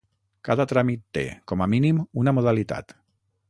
Cada tràmit té, com a mínim, una modalitat.